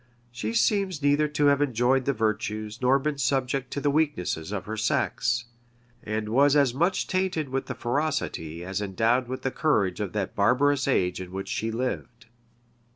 She seems neither to have enjoyed the virtues, nor been subject to the weaknesses, of her sex; and was as much tainted with the ferocity as endowed with the courage of that barbarous age in which she lived.